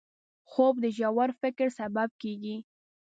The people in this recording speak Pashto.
خوب د ژور فکر سبب کېږي